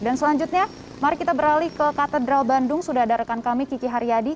selanjutnya mari kita beralih ke katedral bandung sudah ada rekan kami kiki haryadi